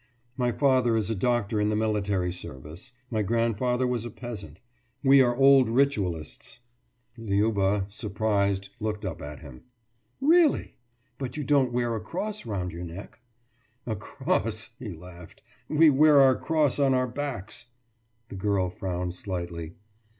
« »My father is a doctor in the military service. My grandfather was a peasant. We are old ritualists.« Liuba, surprised, looked up at him. »Really? But you don't wear a cross round your neck.« »A cross!« he laughed. »We wear our cross on our backs.« The girl frowned slightly.